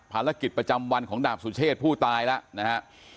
ภารกิจประจำวันของดาบสุเชษผู้ตายแล้วนะฮะ